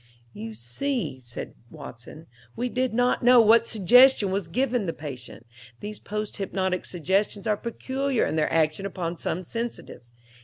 "You see," said Watson, "we did not know what suggestion was given the patient; these post hypnotic suggestions are peculiar in their action upon some sensitives.